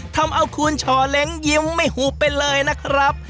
ทำเอาคุณช่อเล้งยิ้มไม่หุบไปเลยนะครับ